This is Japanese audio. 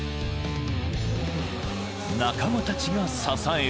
［仲間たちが支える］